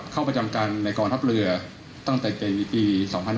เข้าประจำการในกองทัพเรือตั้งแต่ในปี๒๕๕๙